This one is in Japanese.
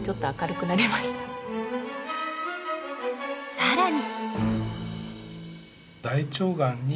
更に。